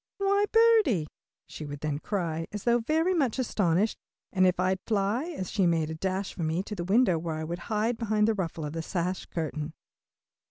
"Why birdie!" she would then cry, as though very much astonished, and off I'd fly, as she made a dash for me, to the window where I would hide behind the ruffle of the sash curtain.